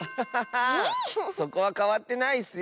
そこはかわってないッスよ！